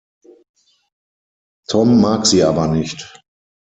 Tom mag sie aber nicht.